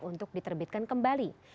untuk diterbitkan kembali